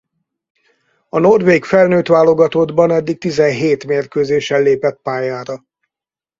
A norvég felnőtt válogatottban eddig tizenhét mérkőzésen lépett pályára.